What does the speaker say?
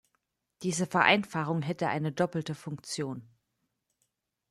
Diese Vereinfachung hätte eine doppelte Funktion.